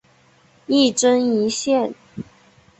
一针一线